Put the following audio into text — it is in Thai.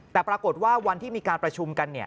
แต่ปรากฏว่าวันที่มีการประชุมกัน